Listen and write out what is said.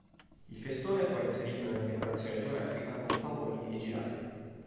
Il festone è poi inserito in una decorazione geometrica con pavoni e girali.